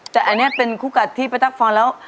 แต่อันนี้เป็นคู่กัดที่พี่ตั๊กฟังแล้ว